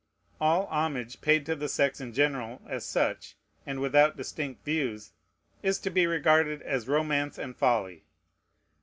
All homage paid to the sex in general as such, and without distinct views, is to be regarded as romance and folly.